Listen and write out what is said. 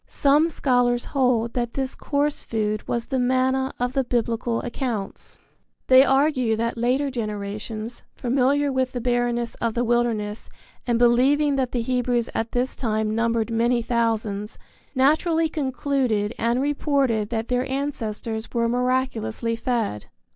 Some scholars hold that this coarse food was the manna of the Biblical accounts. They argue that later generations, familiar with the barrenness of the wilderness and believing that the Hebrews at this time numbered many thousands, naturally concluded and reported that their ancestors were miraculously fed.